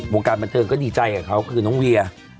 วงการบันเทิงก็ดีใจกับเขาคือน้องเวีย